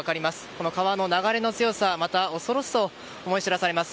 この川の流れの強さまた、恐ろしさを思い知らされます。